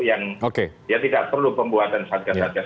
yang ya tidak perlu pembuatan satgas satgas